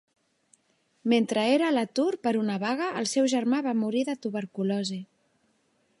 Mentre era a l'atur per una vaga, el seu germà va morir de tuberculosi.